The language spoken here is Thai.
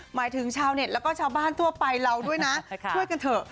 หมายถึงชาวเน็ตแล้วก็ชาวบ้านทั่วไปเราด้วยนะช่วยกันเถอะ